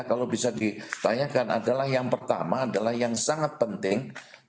kalau bisa ditanyakan adalah yang pertama adalah yang sangat penting